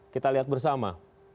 kita lihat bersama